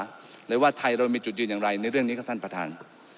หรือว่าไทยเรามีจุดยืนอย่างไรในเรื่องนี้ครับท่านประธาน